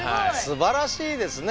すばらしいですね。